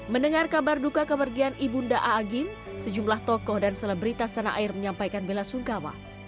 mendengar kabar duka kepergian ibunda aagim sejumlah tokoh dan selebritas tanah air menyampaikan bila sungkawa